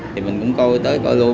thì mình cũng coi tới coi luôn